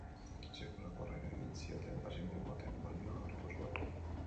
Sekulako harrera egin zioten, eta sinbolo baten balioa hartu zuen.